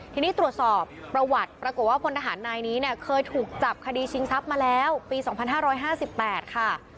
ทีนี้ตรวจสอบประวัติปรากฏว่าพลทหารนายนี้เนี่ยเคยถูกจับคดีชิงทรัพย์มาแล้วปี๒๕๕๘ค่ะ